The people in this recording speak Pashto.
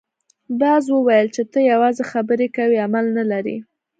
باز وویل چې ته یوازې خبرې کوې عمل نه لرې.